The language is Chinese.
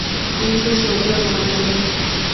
因治所在宛而得名。